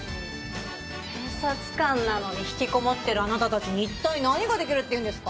警察官なのに引きこもっているあなたたちに一体何ができるっていうんですか？